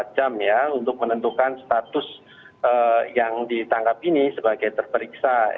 satu x dua puluh empat jam ya untuk menentukan status yang ditangkap ini sebagai terperiksa